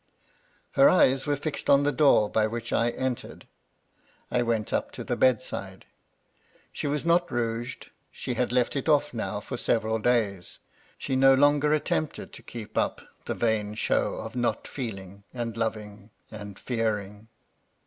" Her eyes were fixed on the door by which I en tered. I went up to the bedside. She was not rouged. MY LADY LUDLOW. 129 — she had left it oflF now for several days, — she no onger attempted to keep up the vain show of not feel ing, and loving, and fearing.